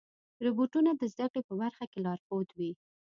روبوټونه د زدهکړې په برخه کې لارښود وي.